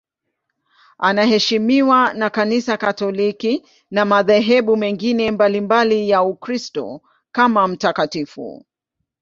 Anaheshimiwa na Kanisa Katoliki na madhehebu mengine mbalimbali ya Ukristo kama mtakatifu.